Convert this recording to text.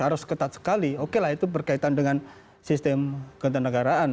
harus ketat sekali oke lah itu berkaitan dengan sistem ketendegaraan